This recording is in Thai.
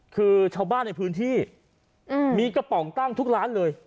คือชาวบ้านในพื้นที่มีกระป๋องตั้งทุกร้านเลย